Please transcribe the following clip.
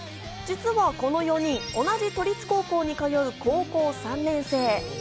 実はこの４人、同じ都立高校に通う高校３年生。